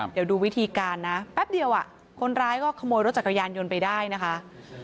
เดี๋ยวดูวิธีการนะแป๊บเดียวคนร้ายก็ขโมยรถจักรยานยนต์ไปได้นะคะ